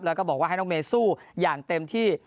แล้วก็บอกว่าให้น้องเมย์สู้อย่างเต็มที่